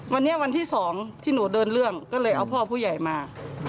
วันนี้วันที่๒ที่หนูเดินเรื่องก็เลยเอาพ่อผู้ใหญ่มา